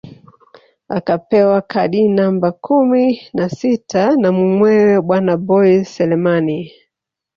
Akapewa kadi namba kumi na sita na mumewe bwana Boi Selemani